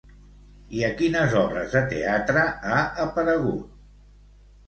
I a quines obres de teatre ha aparegut?